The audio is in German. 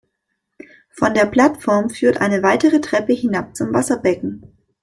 Von der Plattform führt eine weitere Treppe hinab zum Wasserbecken.